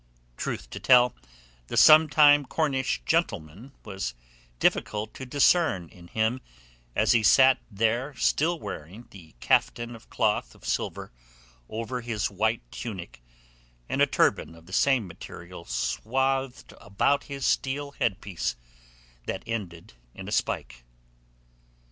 Truth to tell, the sometime Cornish gentleman was difficult to discern in him as he sat there still wearing the caftan of cloth of silver over his white tunic and a turban of the same material swathed about his steel headpiece that ended in a spike.